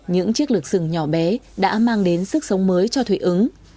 những chiếc lược sừng nhỏ bé đã mang đến sức sống mới cho thụy ứng